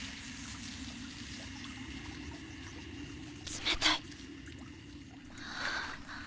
冷たい。